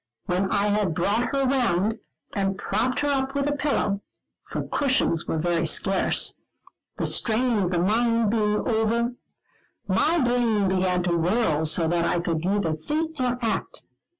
When I had brought her round, and propped her up with a pillow for cushions were very scarce the strain of the mind being over, my brain began to whirl so that I could neither think nor act.